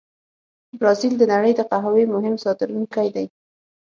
برازیل د نړۍ د قهوې مهم صادرونکي دي.